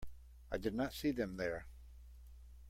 I did not see them there.